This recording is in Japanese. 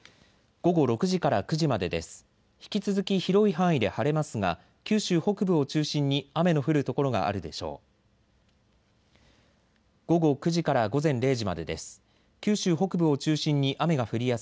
午後９時から午前０時までです。